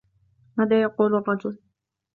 ماذا يقول الرجل ؟